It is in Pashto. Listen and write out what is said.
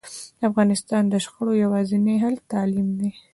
د افغانستان د شخړو یواځینی حل تعلیم ده